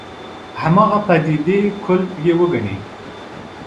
هماغه پدیدې کُل یې وګڼي.